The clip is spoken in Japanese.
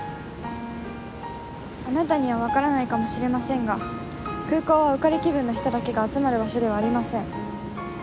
あなたにはわからないかもしれませんが空港は浮かれ気分の人だけが集まる場所ではありません。